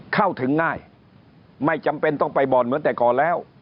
เข้าถึงง่ายไม่จำเป็นต้องไปบ่อนเหมือนแต่ก่อนแล้ว